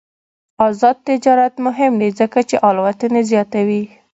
آزاد تجارت مهم دی ځکه چې الوتنې زیاتوي.